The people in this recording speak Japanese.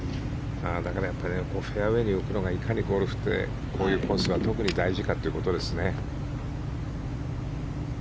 だからフェアウェーに置くのがいかにゴルフってこういうコースは特に大事かということですね。